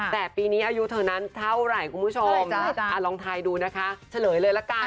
แต่ปีนี้อายุเธอนั้นเท่าไหร่คุณผู้ชมลองทายดูนะคะเฉลยเลยละกัน